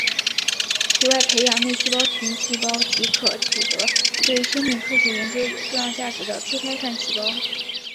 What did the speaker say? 体外培养内细胞群细胞即可取得对生命科学研究有重要价值的胚胎干细胞